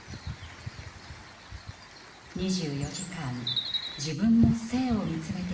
「２４時間自分の『生』を見つめて生きています。